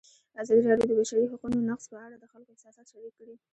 ازادي راډیو د د بشري حقونو نقض په اړه د خلکو احساسات شریک کړي.